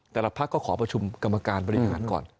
แต่ละพักก็ขอประชุมกรรมการบริหารก่อน